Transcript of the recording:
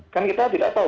kan kita tidak tahu